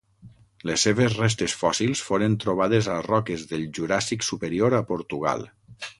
Les seves restes fòssils foren trobades a roques del Juràssic superior a Portugal.